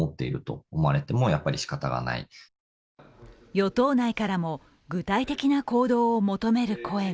与党内からも具体的な行動を求める声が。